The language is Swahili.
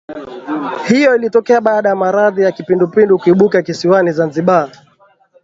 Hiyo ilitokea baada ya maradhi ya kipidupidu kuibuka kisiwani Zanzibar